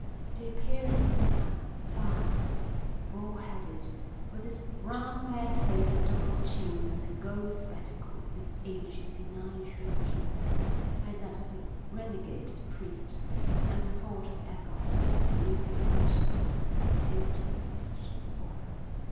The appearance of the man, fat, bald headed, with his round bare face and double chin and the gold spectacles, his age, his benign, shrewd look, like that of a renegade priest, and the thought of Ethel, so slim and virginal, filled him with a sudden horror.